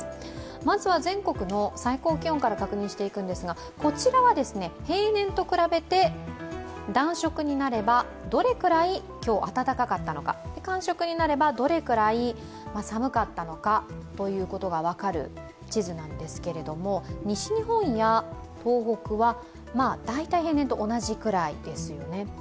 まずは全国の最高気温から確認していくんですが、こちらはですね、平年と比べて暖色になればどれくらい今日暖かかったのか、寒色になればどれくらい寒かったのかが分かる地図なんですが西日本や東北は大体平年と同じぐらいですよね。